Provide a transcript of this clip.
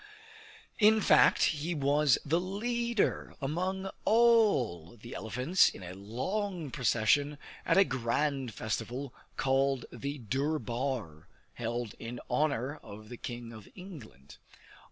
In fact he was the leader among all the elephants in a long procession at a grand festival called the Durbar, held in honor of the King of England.